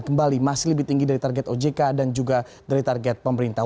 kembali masih lebih tinggi dari target ojk dan juga dari target pemerintah